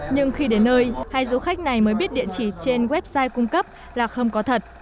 nhưng khi đến nơi hai du khách này mới biết địa chỉ trên website cung cấp là không có thật